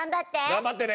頑張ってね。